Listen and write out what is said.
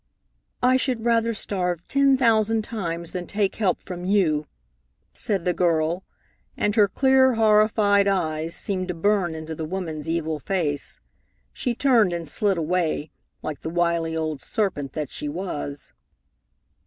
"I should rather starve ten thousand times than take help from you," said the girl, and her clear, horrified eyes seemed to burn into the woman's evil face. She turned and slid away, like the wily old serpent that she was.